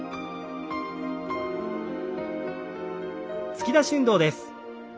突き出し運動です。